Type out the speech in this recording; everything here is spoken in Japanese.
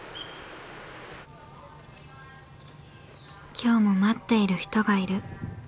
今日も待っている人がいる。